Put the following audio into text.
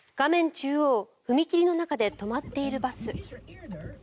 中央踏切の中で止まっているバス。